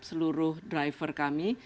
seluruh driver kami